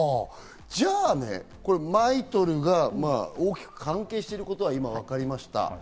じゃあね、ＭＩＴＯＬが大きく関係していることがわかりました。